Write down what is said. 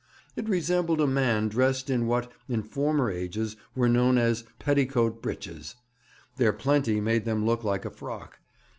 It resembled a man dressed in what, in former ages, were known as petticoat breeches. Their plenty made them look like a frock.